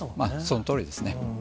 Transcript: そのとおりですね。